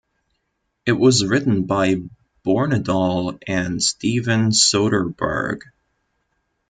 It was written by Bornedal and Steven Soderbergh.